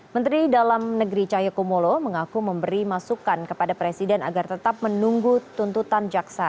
menteri dalam negeri cahyokumolo mengaku memberi masukan kepada presiden agar tetap menunggu tuntutan jaksa